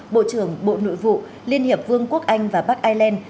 bộ trưởng bộ nội vụ liên hiệp vương quốc anh và bắc ireland